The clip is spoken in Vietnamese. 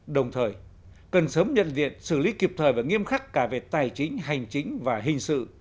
đồng thời cần sớm nhận diện xử lý kịp thời và nghiêm khắc cả về tài chính hành chính và hình sự